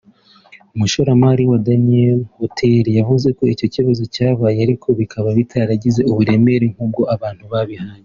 umushoramari wa Dayenu Hotel yavuze ko icyo kibazo cyabayeho ariko kikaba kitagize uburemere nk’ubwo abantu babihaye